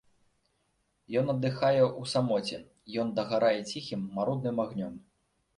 Ён аддыхае ў самоце, ён дагарае ціхім, марудным агнём.